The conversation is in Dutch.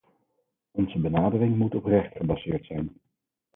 Onze benadering moet op recht gebaseerd zijn.